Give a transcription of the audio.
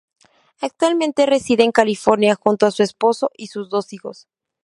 Actualmente reside en California junto a su esposo y sus dos hijos.